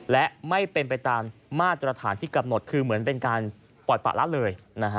และไม่เป็นไปตามมาตรฐานที่กำหนดคือเหมือนเป็นการปล่อยปะละเลย